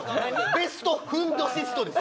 ベストフンドシストです。